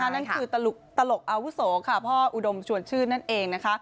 นั่นคือตลกอาวุโสพ่อหูดมชวนชื่นนั้นเอง